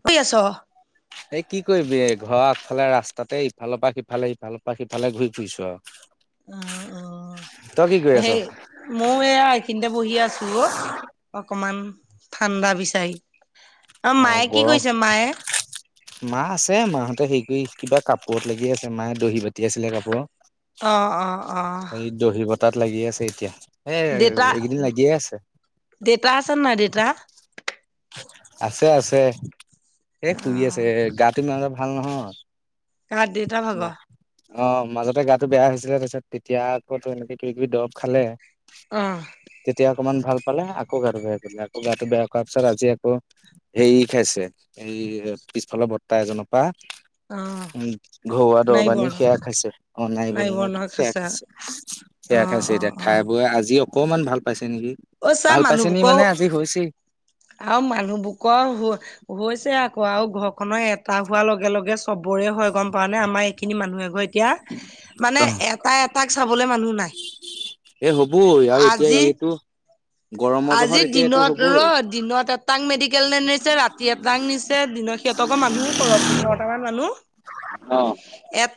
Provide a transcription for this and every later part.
শুই আছ [unintelligible] এই কি কৰিবি এই ঘৰৰ আগফালে ৰাস্তাতে ইফালৰ পৰা সিফালে সিফালৰ পৰা সিফালে ঘূৰি ফুৰিছো আৰু। অ অ। তই কি কৰি আছ? সেই ময়ো এয়া এইখিনিতে বহি আছো অ। অকমান ঠাণ্ডা বিচাৰি, আ অ মায়ে কি গৰম কৰিছে মায়ে মা আছে মাহঁতে হে কৰি কিবা কাপোৰত লাগি আছে, মায়ে দহি বাতি আছিলে কাপোৰৰ। আহ অ অ। তাত লাগি আছে এতিয়া। এ দেউতা এইকেইদিন লাগিয়ে আছে দেউতা আছে নাই দেউতা? আছে আছে এ শুই আছে অ', এ গাটো ইমানৰ ভাল নহয়। ক দেতা ভাগ অ মাজতে গাটো বেয়া হৈছিলে তাৰপিছত তেতিয়া আকৌ এনেকে কিবি কিবি দৰব খালে। অঁ তেতিয়া অকমান ভাল পালে আকৌ গাটো বেয়া কৰিলে আ গাটো বেয়া কৰোৱাৰ পিছত আজি আকৌ হেৰি খাইছে এই পিছফালৰ বৰ্তা এজনৰ পৰা অহ উ ঘৰুৱা দৰৱা আনী সেয়া খাইছে অনাই নাই বনাই বৰ্ণ কি খাইছা খাইছে সেয়া অ', খাইছে অ', এতিয়া অ'। খাই বৈ আজিও অকমান ভাল পাইছে নেকি অ', চা ভাল পাইছে নি মানুহবোকৰ মানে আজি হৈছেই আৰু মানুহবোকৰৰ হৈ ছে আকৌ আৰু ঘৰ খনৰ এটা হোৱাৰ লগে লগে চবৰে হয় গম পাৱ নে আমাৰ এইখিনি মানুহে এঘই এতিয়া মানে অ এটা এটাক চাবলে মানুহ নাই এই হ'বই আৰু এতিয়া আজি এইটো গৰমৰ জহত আজি এতিয়া এইটো দিনত হ'বই ৰদ দিন দিনত এটাং মেডিকেল নে নিছে ৰাতি এটাং নিছে দিন সিহঁতক মানুহো সৰ পোন্ধৰটা মান মানুহ। অ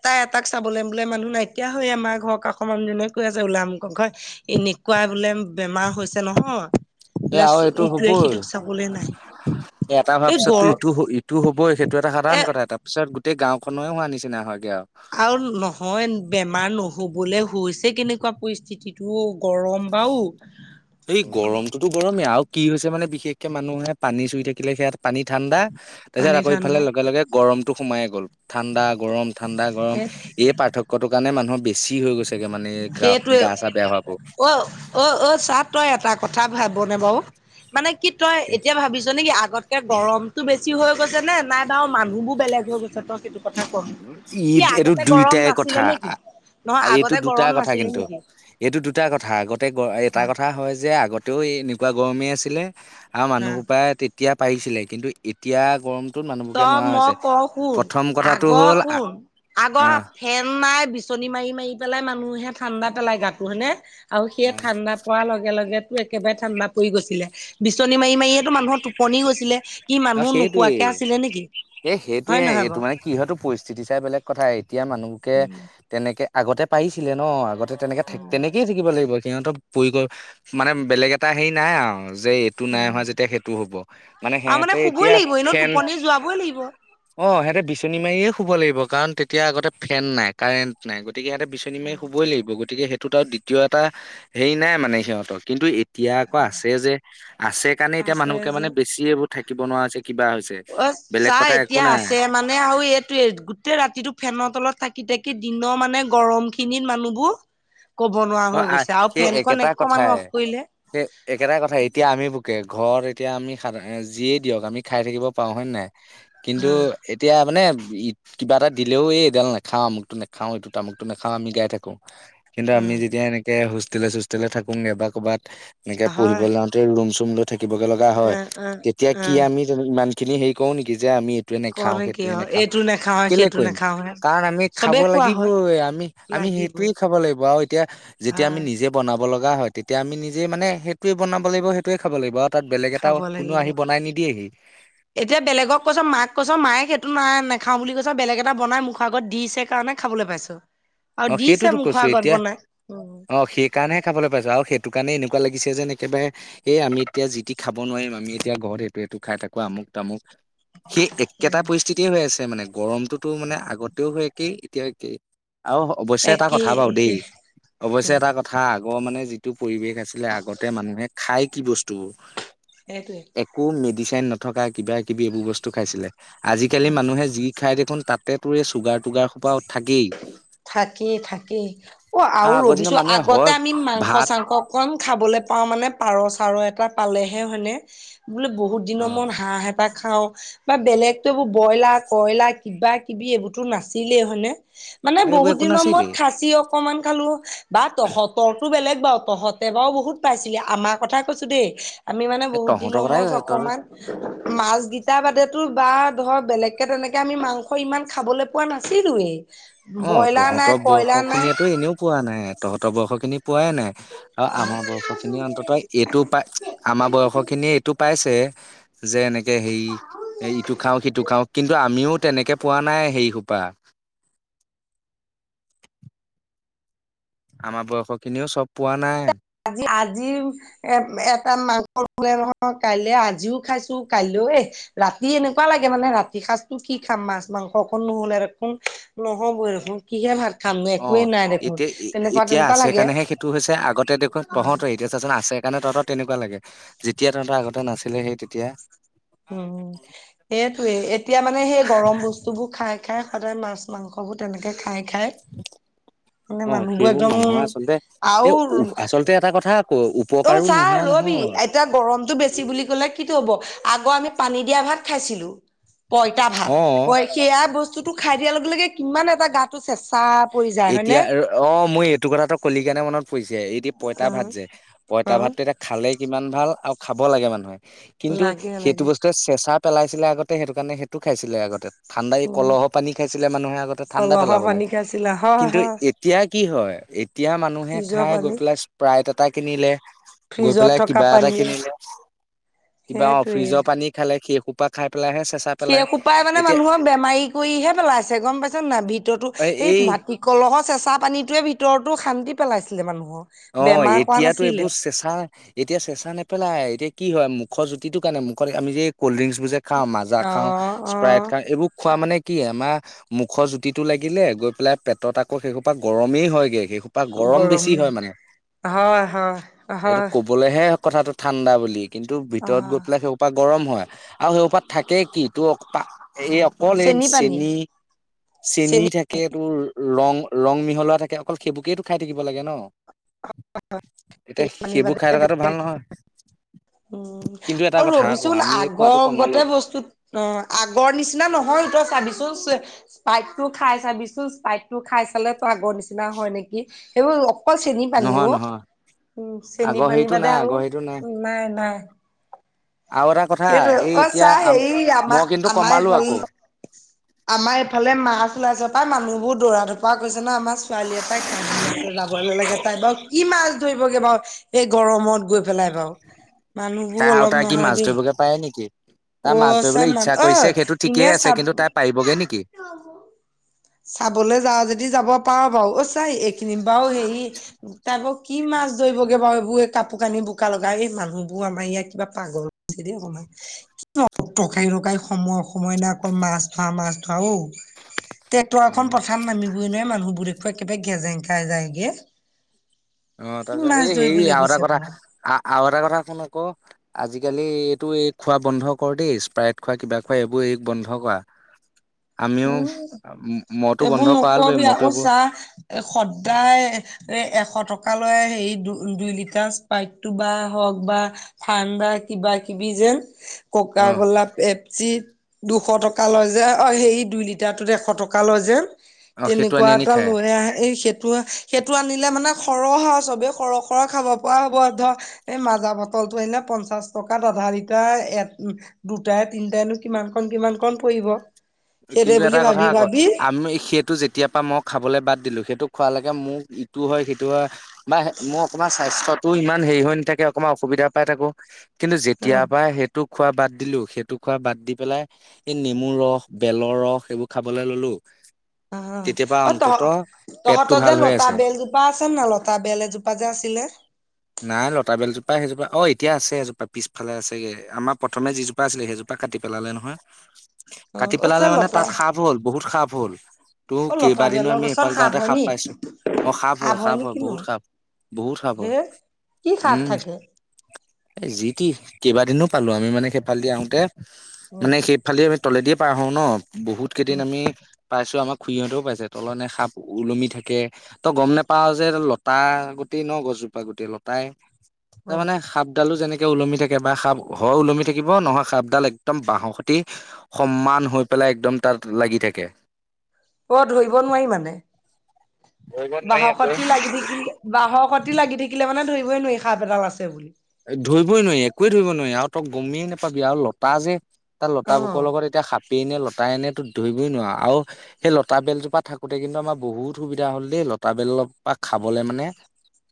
এই এটাক চাবলৈ বোলে মানুহ নাইকিয়া হৈ আমাৰ ঘৰক কক মানুহনে কৈ আছে ওলাম কক ঘ এনেকুৱা বোলে বেমাৰ হৈছে নহয় এ আৰু এইটো বোলে। ইটোৱে সিটোক চাবলে নাই এটা হোৱাৰ এই পিছতো গৰ ইটো ইটো হবই সেইটো এটা সাধাৰণ কথা এ তাৰ পিছত গোটেই গাঁওখনেও হোৱা নিচিনা হয়। আৰু নহয় বেমাৰ নহব। বলে হৈছে কেনেকুৱা পৰিস্থিতিটো গৰম বা এই গৰমটোতো গৰমেই আৰু কি হৈছে মানে বিশেষকে মানুহে পানী চুই থাকিলে সেয়াত পানী ঠাণ্ডা। তাৰপিছত পানী আকৌ ইফালে ঠাণ্ডা লগে লগে গৰমটো সোমাই গ'ল। ঠাণ্ডা গৰম ঠাণ্ডা গৰম এই পাৰ্থক্যৰটো কাৰণে মানুহৰ বেছি হৈ গৈছে। সেইটোৱে অ অ অ চাহ তই এটা কথা ভাবনে বাৰু মানে কি তই এতিয়া ভাবিছ নেকি আগতকে গৰমতটো বেছি বেছি হৈ গৈছে নে নাই বাৰু মানুহ বোৰ বেলেগ হৈ গৈছে তই সেই কথা ক ই কি এইটো আগতে গৰম দুইটাই কথা নাছিলে নে কি নহয় এইটো আগতে দুটা গৰম কথা নাছিলে কিন্তু নেকি এইটো দুটা কথা গোটেই এটা অ' কথা হয় যে যে আগতেও এনেকুৱা গৰমেই আছিলে আৰু অ' মানুহৰ পৰা তেতিয়া পাৰিছিলে কিন্তু এতিয়া গৰমটোত মানুহবকে তই নোহোৱা মই হৈছে কওঁ শুন প্ৰথম কথাত আগৰ কোন আগৰ ফেন নাই বিচনী মাৰি মাৰি পেলাই মানুহে ঠাণ্ডা পেলাই গাতো হয়ানে আৰু সেই আহ ঠাণ্ডা পোৱাৰ লগে লগে একেবাৰে ঠাণ্ডা পৰি গৈছিলে বিচনী মাৰি মাৰিয়েতো মানুহৰ টোপনি গৈছিলে কি অ মানুহ নোখোৱাকে সেইটোৱেই আছিলে নেকি এ হয় সেইটোয়ে নহয় এইটো বাৰু মানে কিহতো পৰিছে। চিটি চাই বেলেগ কথা এতিয়া মানুহবকে উম তেনেকে আগতে পাৰিছিলে ন আগতে তেনেকে থ উম তেনেকেই থাকিব লাগিব সিহঁতৰ পৰি মানে বেলেগ এটা হেৰি নাই আৰু যে এইটো নাই হোৱা যেতিয়া সেইটো হ'ব মানে সেহ ক'বই লাগিব এনেও টোপনি যোৱাবই লাগিব। অ সিহঁতে বিচনী মাৰিয়ে শুব লাগিব কাৰণ তেতিয়া আগতে ফেন নাই কাৰেণ্ট নাই। গতিকে সিহঁতে বিচনী মাৰি শুবই লাগিব গতিকে সেইটোত আৰু দ্বিতীয় এটা হেৰি নাই মানে সিহঁতক কিন্তু এতিয়া আকৌ আছে যে আছে কাৰণে এতিয়া আছে মানুহবকে যে মানে বেছি এইবোৰ থাকিব নোৱাৰা হৈছে। কিবা হৈছে অ বেলেগ চাহ কথা একো এতিয়া নাই আছে মানে আৰু এইটো গোটেই ৰাতিটো ফেনৰ তলত থাকে। থাকি থাকি দিনৰ মানে গৰম খিনিত মানুহবোৰ ক'ব নোৱাৰা অ হৈ গৈছে আৰু সেই ফেনখন একেটা একমানো কথাই অফ কৰিলে সেই একেটা কথাই এতিয়া আমি বকে ঘৰত এতিয়া আমি সাধ যিয়েই দিয়ক আমি খাই থাকিব পাৰোঁ হয়নে নাই [unintelligible] উ কিন্তু এতিয়া মানে ই কিবা এটা দিলেও এইডাল নাখাও আমুকটো নাখাও এইটো আামুকটো নাখাও আমি গাই থাকো। কিন্তু উ আমি যেতিয়া এনেকে হোষ্টেলে চোষ্টেলে থাকো নবা ক'ৰবাত [unintelligible] এনেকে হয় পঢ়িবলৈ যাওঁতে ৰুম চুম লৈ থাকিবগে লগা উ হয় উ তেতিয়া উ কি আমি ইমান। খিনি হেৰি কৰো নেকি যে আমি- সেইটোৱে কওঁ নেখাওঁ নে কি সেইটোৱে হয় নেখাওঁ এইটো নাখাওে কেলে সেইটো কৰিম নাখাওে কাৰণ আমি খাব চবেই খোৱা হয় লাগিবই আমি আমি [unintelligible] লাগিবই সেইটোয়ে খাব লাগিব আৰু এতিয়া- যেতিয়া আমি হয় নিজে বনাব লগা হয়। তেতিয়া আমি নিজে মানে সেইটোয়ে বনাব লাগিব সেইটোয়ে খাব লাগিব তাত বেলেগ এটা খাব কোনো লাগিব আহি বনাই নিদিয়েহি- এতিয়া বেলেগক কৈছ মাক কৈছ মায়ে সেইটো নাই ন খাওঁ বুলি কৈছ বেলেগ এটা বনাই মুখৰ আগত দিছে কাৰণে খাবলৈ পাইছো। আৰু অ দিছে সেইটোতো মুখৰ কৈছো আগত এতিয়া বনাই উম অ সেইকাৰণেহে খাবলৈ পাইছো আৰু সেই সেইটো কাৰণে এনেকুৱা লাগি যেন একেবাৰে এই আমি এতিয়া যিতি খাব নোৱাৰিম আমি এতিয়া ঘৰত সেইটো সটো খাই থ আ আমুক ম সেই একেটা উম পৰিস্থিতিয়ে হৈ আছে, মানে গৰমটোতো মানে আগতেও হয়। একেই এতিয়াই আৰু অৱশ্যে এটা একেই কথা বাৰু দেই একেই অৱশ্যে উম এটা কথা আগৰ মানে যিটো পৰিবেশ আছিলে আগতে মানুহে খাই কি বস্তু সেইটোৱে একো মে- নথকা কিবা কিবি এইবোৰ বস্তু খাইছিলে আজিকালি মানুহে যি খাই দেখোন তাতে তোৰে চুগাৰ টুগাৰ সোপা থাকেই থাকেই থাকেই অ আৰু আগৰ দিনৰ ৰবিছো মানুহে আগতে হয় আমি মাংস, ভাত চাংস অকণ খাবলৈ পাওঁ মানে পাৰ চাৰ এটা পালেহে হয়নে- বোলে বহুত অ দিনৰ মোৰত হাঁহ এটা খাওঁ- [unintelligible] বা বেলেগত এইবোৰ ব্ৰইলাৰ কইলাৰ কিবা কিবি এইবোৰতো নাছিলেই হয়নে। মানে এইবোৰ বহুত একো দিনৰ মূৰত নাছিলেই খাচী, অকমান খালো বা তহতৰটো বেলেগ বাৰু পঢহঁতে বাৰু বহুত পাইছিলে আমাৰ কথা কৈছো দেই- [unintelligible] আমি মানে এ বহুত তহঁতৰ দিনৰ কথাই মূৰত তহঁতৰ অকমান মাছ গেইটা বাদে- বা ধৰ বেলেগকে তেনেকে আমি মাংস ইমান খাবলৈ পোৱা নাছিলোয়েই। অ তহঁতৰ বৰ্ষ খিনিয়ো এনেও পোৱা নাই। তহঁতৰ বৰ্ষ খিনি [unintelligible] পোৱাই নাই আৰু আমাৰ বয়স খিনিয়ে অন্তত এইটো পাই আমাৰ বয়স খিনিয়ে এইটো পাইছে- যে এনেকে হেৰি এ ইটো খাওঁ সিটো খাওঁ কিন্তু আমিও- তেনেকে পোৱা নাই সেই সোপা- আমাৰ বয়স খিনিও চব পোৱা নাই। আজি এ এটা মাংস ব নহয় কাইলৈ আজিও খাইছো কাইলৈ এ- [unintelligible] ৰাতি এনেকুৱা লাগে মানে ৰাতিৰ সাঁজ কি খাম মাছ মাংস অকণ নহ'লে আৰু কোন নহ'বই আৰু- [unintelligible] কিহে ভাত খাম নো অ একোৱেই নাই দেখোন এতিয়া তেনেকুৱা এতিয়া তেনেকুৱা আছে লাগে কাৰণেহে সেইটো হৈছে আগতে- দেখোন তহঁতৰ এতিয়া চাচোন আছে সেইকাৰণে তহঁতৰ তেনেকুৱা লাগে যেতিয়া তহঁতৰ আগতে নাছিলে সেই তেতিয়া। উম সেইটোয়ে এতিয়া মানে সেই গৰম বস্তুবোৰ খাই খাই সদায় মাছ মাংস- সবো তেনেকৈ খাই খাই। [unintelligible] মানে অ মানুহবোৰ সেইবোৰ একদম মানুহৰ আচলতে আৰু এই আচলতে এটা কথা আকৌ অ উপকাৰো চাহ নোহোৱা ৰবি নহয় এতিয়া গৰমতটো বেছি বুলি ক'লে কি? হ'ব আগৌ আমি পানী দিয়া ভাত খাইছিলো। পইতা, ভাত অ ক সেয়া বস্তুটো খাই দিয়াৰ লগে লগে কিমান এটা গাটো চেঁচা- পৰি যায় হয়নে এতিয়া অ মই এইটো কথাটো কল কেণে মনত ফুছে এইদি পঁইতা অ ভাত যে পইতা অ ভাতটো এতিয়া খালেই কিমান ভাল আৰু খাব লাগে মানুহে কিন্তু লাগে সেইটো লাগে বস্তুৱে চেঁচা পেলাইছিলে আগতে সেইটো কাৰণে সেইটো খাইছিলে আগতে ঠাণ্ডাই উম কলহ, পানী খাইছিলে মানুহে আগতে ঠাণ্ডা, কলহৰ পেলাবলৈ পানী খাইছিলা হয় কিন্তু হয় এতিয়া। কি হয় এতিয়া মানুহে ফ্ৰিজৰ খাই গৈ পানী পেলাই স্প্ৰাইট এটা কিনিলে- গৈ ফ্ৰিজত পেলাই থকা কিবা এটা পানী কিনিলে কিবা সেইটোৱে অফ্ৰিজৰ পানী খালে সেইো- সিসোপাই মানে মানুহক বেমাৰী কৰিহে পেলাইছে। গম পাইছ নাই ভিতৰতো সেই এই মাটি- কলহৰ চেচা পানীটোৱে ভিতৰতো শান্তি পেলাইছিলে মানুহ। অ'এতিয়াতো এইবোৰ চেঁচা এতিয়া চেঁচা, নেপেলাই এতিয়া কি হয়। ম মুখৰ জুতিটো কাৰণে মোক কৰে আমি যে। কল্ড ড্ৰিংকছ বোৰ যে খাওঁ মাজা খাওঁ অ', অ', স্প্ৰাইট খাওঁ এইবোৰ খোৱা মানে কি আমাৰ। মুখৰ জুতিতটো লাগিলে গৈ পেলাই পেটত আকৌ শেইশো পৰাা গৰমেই হয়গে শেই। খোপা গৰম বেছি গৰমে হয় মানে। হয় হয় এইটো হয়। কবলেহে কথাটো ঠাণ্ডা বুলি কিন্তু ভিতৰত গৈ অ', পেলাই সেপাক। গৰম হয় আৰু সেইপাত থাকেই কি তোৰ। এই অকল এই চেনি পানী চেনী চেনী চেনি থাকে। ৰং ৰং মিহলোৱা থাকে অকল সেইবৌকেই খাই থাকিব লাগে ন [unintelligible] এতিয়া পানী সেইবোৰ বাদে খাই থকাতটো ভাল নহয়। উম কিন্তু এটা আৰু কথা আকৌ ৰবিচোন আমি এই খোৱাটো আগৰ কমালো গতে বস্তু অ আগৰ নিচিনা নহয়। চাবিচোন স্পাইটটো খাই চাবিচোন স্পাইট টো খাই চালে তোৰ আগৰ নিচিনা হয় নেকি সেইবোৰ অকল চেনি নহয় পানীও নহয় উ চেনি আগৰ পানী হেৰিটো বাদে নাই আহ আগৰ হেৰিটো নাই নাই আৰু এটা কথা এইফ এই ক এতিয়া চা আম হেৰি আমাৰ মই কিন্তু আমাৰ কমালো এইফাল আকৌ আমাৰ ইফালে মাছ ওলাইছে পাই মানুহ বোৰ দৌৰা ধপৰা গৈছে- জানো আমাৰ ছোৱালীয়ে পৰাই কান্দি আছে যাবলৈ লাগে তাই বাৰু কি মাছ- ধৰিবগে বাৰু এই গৰমত গৈ পেলাই বাৰু- মানুহবোৰ তাই আৰু অলপ তাই কি নহয় মাছ দেই। ধৰিবগে পাৰে নেকি তাই মাছ অ' ধৰিবলৈ চমানমান ইচ্ছা কৰিছে আহ সেইটো ঠিকেই ইনে আছে চাব। কিন্তু তাই পাৰিবগে নেকি চাবলৈ যা যদি যাব পাৰ বাৰু অ চাই এইখিনি বাৰু হেৰি তাৰপৌ কি মাছ ধৰিবগৈ। এইবোৰ কাপোৰ কানি বোকা লগাই মানুহবোৰ আমাৰ ইয়াত কিবা পাগলছে দেই অকমান কি। পকাই কাই ৰখাই সময়ে সময়ে ন অকল মাছ ধৰা মাছ ধৰাও। ট্ৰেক্টৰ এখন উম প্ৰথান নামিবই নহয় মানুহবোৰ দেখুৱাই একেবাৰে গেজেং খাই যায়গে। অ' তাৰ কি পিছত মাছ এই হেৰি ধৰিবলৈ আৰু এটা গৈছে কথা বাৰু। আৰু এটা কথা কোন আকৌ আজি। আজিকালি এইটো এই খোৱা বন্ধ কৰ দেই, স্প্ৰাইট খোৱা কিবা খোৱা এইবোৰ এই বন্ধ কৰা। আমিও। উম মইতো এইবোৰ বন্ধ কৰালোৱে নকবি মইতো আকৌ এইবোৰ চাহ সদায় এ এশ টকা। ক ল সে দু দুই লিটাৰ স্পাইপটো বা হওক বা ঠাণ্ডা কিবা কিবি। অ ককাকলা পেপছি দুশ টকা লৈ যে অ হেই। দুই লিটাৰটোত এশ টকা লয় যে, অ সেইটো তেনেকুৱা আনি আনি এটা খাই লৈ আহে এই। সেইটো, সেইটো আনিলে মানে সৰহ আৰু চবেই সৰহ খৰ খাব পৰা হ'ব ধ এই মাজা মতৰ। আনিলে পঞ্চাছ টকাত আধা লিটাৰ এ‌ দুটা তিনটাই নো কিমান কণ কিমান কণ পৰিব। দিব। কিন্তু এটা কথা আকৌ আমি সেইটো যেতিয়া পৰা মই খাবলৈ বাদ দিলো সেইটো। খোৱালৈকে মোক ইটো হয়, সিটো হয় বা মোৰ অকণমান স্বাস্থ্যত। টো ইমান হেৰি হৈ নাথাকে অকমান অসুবিধা পাই থাকো কিন্তু যেতিয়া অ পৰা সেইটোক। খোৱা বাদ দিলো, সেইটো খোৱা বাদ দি পেলাই এই নেমু ৰস বেলৰ ৰস সেইবোৰ খাবলৈ ললো। তেতিয়াৰ পৰা অ' অ তহ অন্তত পেটটো তহঁতৰ ভাল যে হৈ লতা আছে বেলজোপা আছে না লতা বেল এজোপা যে আছিলে। নাই লতা বেলজোপা সেইজোপা অ এতিয়া আছে এজোপা পিছফালে আছেগে আমাৰ প্ৰথম যিজোপা আছিলে সেইজোপা। কাটি পেলালে নহয়, অ কাটি অছে পেলালে মানে লতা তাত সাপ হ'ল বহুত সাপ হল। ত অ লতা কেইবাদিনো বেলৰ আমি গছত সফালে সাপ যাওঁতে হয় খাপ নি পাইছো, অ খাপ সাপ হয় খাপ নি হয় কিনো বহুত খাপ। বহুত খাব। হে কি সাপ থাকে। এ যি কি কেইবাদিনো পালো আমি মানে সেইফালদি আহোতে উম মানে সেইফালে আ। তলেদিয়ে পাৰ হওঁ ন বহুত কেইদিন উম আমি পাইছো আমাক। খুইহঁতেও পাইছে তলনে সাপ ওলমি থাকে, তো গ'ম নেপাও যে লতা গটেই ন গছ। জোপা গুটেই লতাই তাৰ উম মানে সাপডালো যেনেকে। ওলমি থাকে বা সাপ ঘৰ ওলমি থাকিব নহয় সাপডাল একদম বাহসতি সমান হৈ পেলাই। একদম তাত লাগি থাকে। [inaudible] অ' ধৰিব নোৱাৰি মানে, ধৰিব নোৱাৰি আকৌ। বাহসতি লাগি থাকিলে বাহসতি তি লাগি থাকিলে মানে ধৰিবই নোৱাৰি, সাঁপ এদাল আছে বুলি? ধৰিবই নোৱাৰি একোৱে ধৰিবই নোৱাৰি, আৰু তই গমেই নেপাবি আৰু লতা যে তাৰ অ লতা বুকৰ লগত এতিয়া সাপ পেই নে লতাই নে তো ধৰিবই নোৱাৰ, আৰু সেই লতা বেল জোপা থাকোতে কিন্তু আমাৰ বহুত সুবিধা হ'ল দেই। লতা বেলৰ পৰা খাবলে মানে,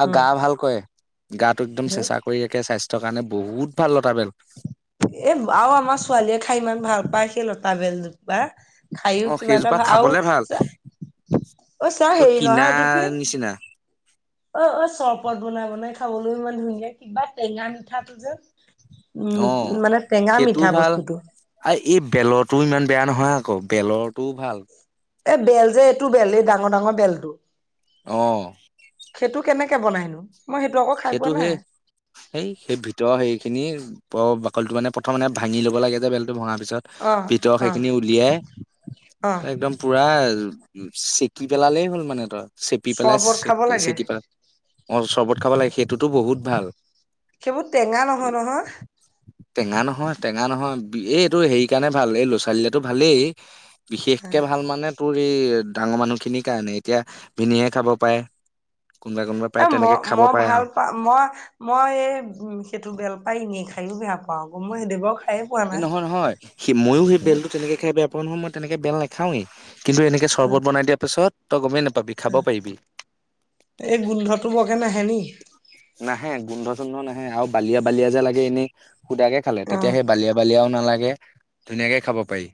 আৰু উম গা ভাল কৰে গাটো একদম চেচা কে স্বাস্থ্যৰ কাৰণে বহুত ভাল লতা বেল। এ, আৰু আমাৰ ছোৱালীয়ে খাই ইমান ভাল পায় সেই লতা-বেল জোপা।। খাইও অ কিবা এটা সেইজোপা ভা আৰু খাবলে ভাল চ অ চাহ তই হেৰি কিনা নহয় এটো কি নিচিনা অ'অ চৰবত বনাই বনাই খাবলৈও ইমান ধুনীয়া কিবা টেঙা মিঠাটো যেন। অ' সেইটোও ভাল, বস্তুটো আৰু এই বেলতো ইমান বেয়া নহয় আকৌ বেলৰটোও ভাল। এ বেল যে এইটো বেল, এই ডাঙৰ ডাঙৰ বেলটো। অ' সৈটো কেনেকে বনাইনো? মই আকৌ খাই সেইটো পোৱা নাই সেই, সেই সেই ভিতৰ সেই খিনি প' বাকলটো মানে প্ৰথম মানে ভাঙি ল'ব লাগে যে বেলটো ভঙা তাৰপিছত অ ভিতৰৰ অ সেইখিনি উলিয়াই, অ একদম পুৰা উ চেকি পেলালেই হ'ল মানে তই, চেকি পেলাই চৰবত খাব চেকি লাগে চেকি পেলাই অ চৰ্বত খাব লাগে, সেইটোতো বহুত ভাল। সেইবোৰ টেঙা নহয় নহয়? টেঙা নহয়, টেঙা নহয় এইটো হেৰি কাৰণে ভাল এই ল'ৰা ছোৱালীলেটো ভালেই বিশেষকে ভাল মানে তোৰ, এই ডাঙৰ মানুহখিনিৰ কাৰণে এতিয়া ভিনিহিয়ে খাব পাৰে। কোনোবাই কোনোবাই এ পায়, তেনেকে মই খাব মই পাৰে ভাল আৰু মই' মই এই উম সেইটো বেল পাই এনেই খায়ো বেয়া পাওঁ আকৌ মই সেইদে বাও এ নহয় নহয় সি ময়ো সেই বেলটো তেনেকে খাই বেয়া পাওঁ নহয়, মই তেনেকে বেল নাখাওৱেই। কিন্তু এনেকে চৰ্বত বনাই দিয়াৰ পিছত তই গমেই নাপা এই, গোন্ধটো বৰকে নাহে নি? নাহে গোন্ধ-চোন্ধ নাহে, আৰু বালিয়া-বালিয়া যে লাগে এনেই খুদাকে খালে, অ তেতিয়া সেই বালিয়া বালিয়াও নালাগে ধুনীয়াকে খাব পাৰি।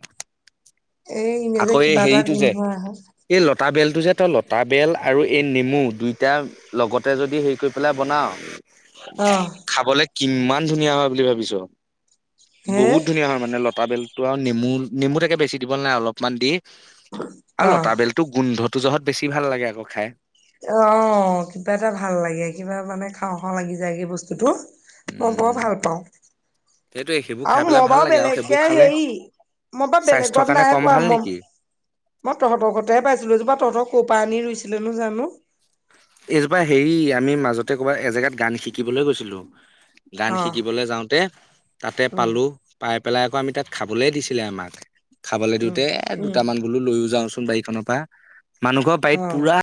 এই এনে যে আকৌ এই কিবা এটা হেৰিটো যে, গোন্ধ আহে এই লতা বেল্ তু যে, লতা-বেল আৰু এই নেমু দুইটা লগতে যদি হেৰি কৰি পেলাই বনাওঁ অহ- কিমান ধুনীয়া হয়। বুলি ভাবিছো, হে বহুত ধুনীয়া হয় মানে লতা বেল টো নেমু, নেমু তাকে বেছি দিব নাই অলপমান দি আৰু অ লতা বলটো গোন্ধত তো জহত বেছি ভাল লাগে আকৌ খাই। অ' কিবা এটা ভাল লাগে, কিবা মানে খাওঁ-খাওঁ লাগি যায়গে বস্তুতো। মই বৰ উম, ভাল পাওঁ। সেইটোৱে সেইবোৰ আৰু খাই পেলাই মই ভাল বাৰু লাগে আৰু সেইবোৰ বেলেগকে খালে হেৰি, মই বাৰু স্বাস্থ্যৰ বেলেগত কাৰণে নাই কম পোৱা ভাল ম নেকি? মই তহঁতৰতেহে পাইছিলো, হেইজোপা তহতৰ ক'ৰ পৰা আনি ৰুইছিলে নো জানো? এজোপা হেৰি, আমি মাজতে ক'বাত এজেগাত গান শিকিবলৈ গৈছিলো গান অ শিকিবলৈ যাওঁতে তাতে উম পালো, পাই পেলাই আকৌ আমি তাত খাবলে দিছিলে আমাক, খাবলৈ উম দিওঁতে এ উম দুটামান বোলো লৈয়ও যাও। বাৰীখনৰ পৰা, মানুহ ঘৰৰ বাৰীত অ পুৰা